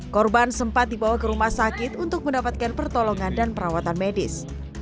korban sempat dibawa ke rumah sakit untuk mendapatkan pertolongan dan perawatan medis